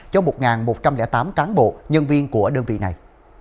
cho một một trăm linh tám cán bộ nhân viên của đơn vị này